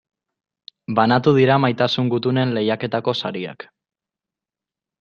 Banatu dira Maitasun Gutunen lehiaketako sariak.